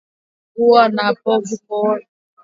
Mfugo uliokufa kwa ugonjwa wa majimoyo huwa na povu kooni